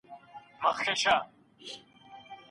له خلګو سره په ورین تندي مخ سئ.